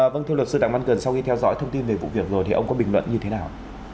vâng thưa luật sư đặng văn cường sau khi theo dõi thông tin về vụ việc rồi thì ông có bình luận như thế nào